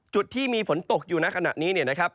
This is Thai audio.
จุดที่มีฝนตกอยู่ในขณะนี้เนี่ยนะครับ